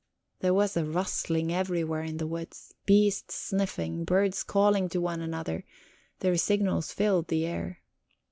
There was a rustling everywhere in the woods, beasts sniffing, birds calling one to another; their signals filled the air.